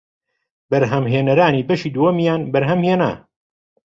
بەرهەمهێنەرانی بەشی دووەمیان بەرهەمهێنا